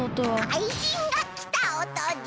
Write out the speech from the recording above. かいじんがきたおとじゃ。